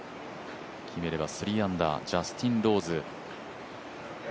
決めれば３アンダー、ジャスティン・ローズ。